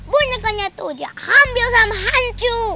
bonyakannya tuh dia ambil sama hangkyu